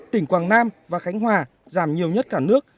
tỉnh quảng nam và khánh hòa giảm nhiều nhất cả nước